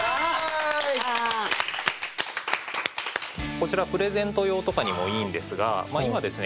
こちらプレゼント用とかにもいいんですが今ですね